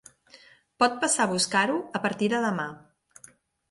Pot passar a buscar-ho a partir de demà.